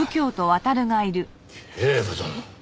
警部殿。